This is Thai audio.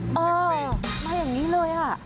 อ๋อมาอย่างนี้เลย